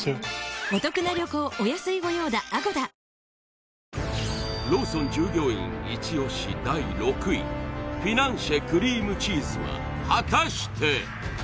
もう退場ローソン従業員イチ押し第６位フィナンシェクリームチーズは果たして？